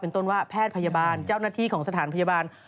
ต้นว่าแพทย์พยาบาลเจ้าหน้าที่ของสถานพยาบาล